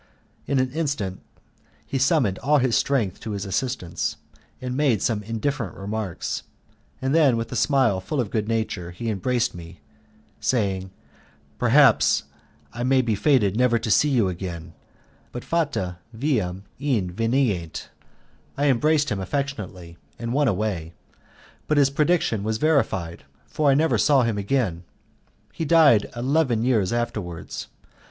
In an instant he summoned all his strength to his assistance, made some indifferent remarks, and then, with a smile full of good nature, he embraced me, saying, "Perhaps I may be fated never to see you again, but 'Fata viam invenient'." I embraced him affectionately, and went away, but his prediction was verified, for I never saw him again; he died eleven years afterwards.